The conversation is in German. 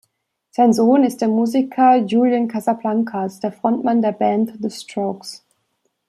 Sein Sohn ist der Musiker Julian Casablancas, der Frontmann der Band The Strokes.